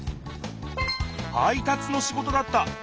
配達の仕事だった。